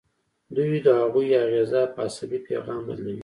دوی د هغوی اغیزه په عصبي پیغام بدلوي.